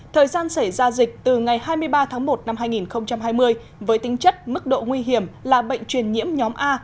thời gian xảy ra dịch từ ngày hai mươi ba tháng một năm hai nghìn hai mươi với tính chất mức độ nguy hiểm là bệnh truyền nhiễm nhóm a